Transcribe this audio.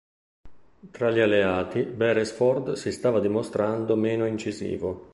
Tra gli Alleati Beresford si stava dimostrando meno incisivo.